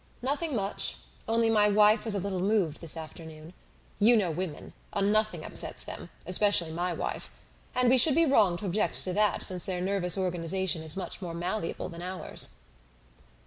"Nothing much. Only my wife was a little moved this afternoon. You know women a nothing upsets them, especially my wife. And we should be wrong to object to that, since their nervous organization is much more malleable than ours."